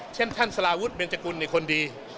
เช่นท่านสาราวุธเบนตรกุลคนนี่คนดี